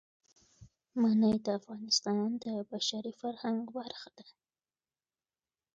منی د افغانستان د بشري فرهنګ برخه ده.